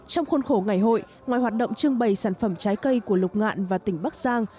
trong khuôn khổ ngày hội ngoài hoạt động trưng bày sản phẩm trái cây của lục ngạn và tỉnh bắc giang